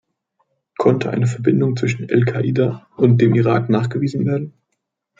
Konnte eine Verbindung zwischen El Qaida und dem Irak nachgewiesen werden?